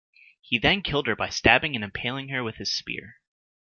Then he killed her by stabbing and impaling her with his spear.